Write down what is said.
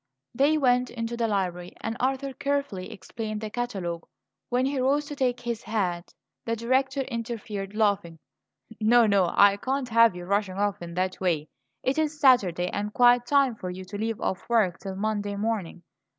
They went into the library, and Arthur carefully explained the catalogue. When he rose to take his hat, the Director interfered, laughing. "No, no! I can't have you rushing off in that way. It is Saturday, and quite time for you to leave off work till Monday morning.